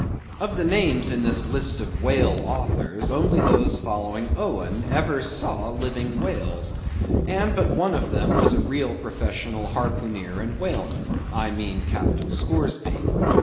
Of the names in this list of whale authors, only those following Owen ever saw living whales; and but one of them was a real professional harpooneer and whaleman. I mean Captain Scoresby.